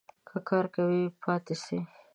که کار کوی ؟ پاته سئ